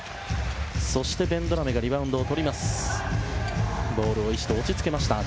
そしてベンドラメがリバウンドをとりました。